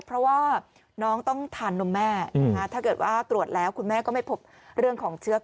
เพราะว่าน้องต้องทานมแม่